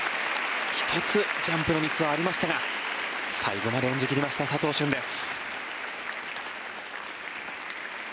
１つジャンプのミスはありましたが最後まで演じ切りました佐藤駿です。